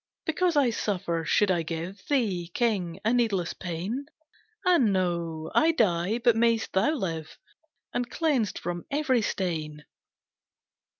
"Because I suffer, should I give Thee, king, a needless pain? Ah, no! I die, but mayst thou live, And cleansed from every stain!"